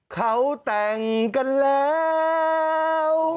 เขาแต่งกันแล้ว